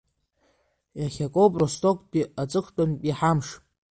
Иахьакоуп Ростоктәи аҵыхәтәантәи ҳамш.